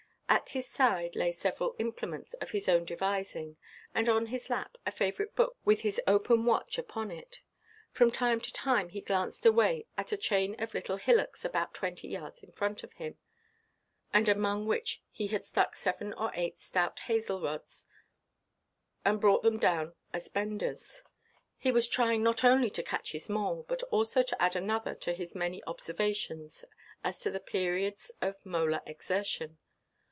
At his side lay several implements of his own devising, and on his lap a favourite book with his open watch upon it. From time to time he glanced away at a chain of little hillocks about twenty yards in front of him, and among which he had stuck seven or eight stout hazel rods, and brought them down as benders. He was trying not only to catch his mole, but also to add another to his many observations as to the periods of molar exertion.